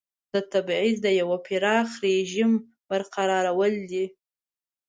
د تبعیض د یوه پراخ رژیم برقرارول دي.